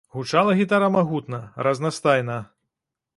Гучала гітара магутна, разнастайна.